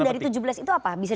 bisa disebutkan nggak